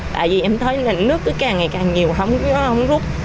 tại vì em thấy là nước cứ càng ngày càng nhiều không rút